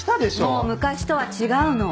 もう昔とは違うの！